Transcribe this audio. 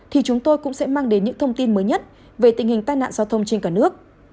thì chúng tôi cũng sẽ mang đến những thông tin mới nhất về tình hình tai nạn giao thông trên cả nước